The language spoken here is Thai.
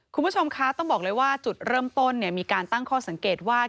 คุณผู้ชมคะต้องบอกเลยว่าจุดเริ่มต้นมีการตั้งข้อสังเกตว่า